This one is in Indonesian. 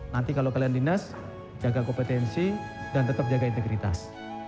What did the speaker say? nanti kalau kalian dinas jaga kompetensi dan tetap jaga integritas